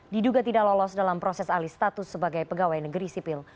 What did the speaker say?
diduga tidak lolos dalam proses alih status sebagai pegawai negeri sipil